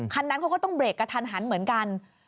คันนั้นเขาก็ต้องเรกกระทันหันเหมือนกัน